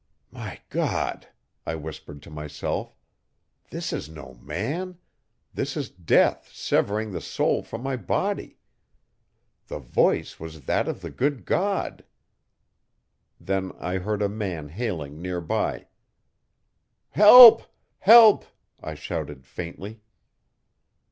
'My God!' I whispered to myself, 'this is no man this is Death severing the soul from the body. The voice was that of the good God.' Then I heard a man hailing near by. 'Help, Help!' I shouted faintly.